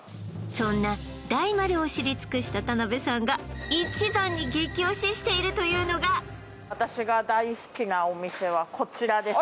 そんな大丸を知り尽くした田辺さんが一番に激推ししているというのが私が大好きなお店はこちらですね